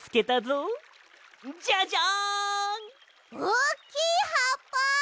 おっきいはっぱ！